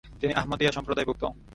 তিনি আহমদিয়া সম্প্রদায়ভুক্ত ।